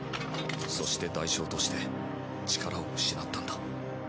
そして代償として力を失ったんだ。